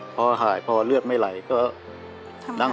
พอหายพอเลือดไม่ไหลก็นั่งสักพักหนึ่ง